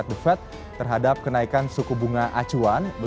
bunga bank sentral amerika serikat the fed terhadap kenaikan suku bunga acuan